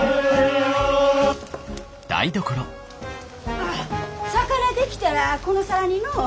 あ魚出来たらこの皿にのう。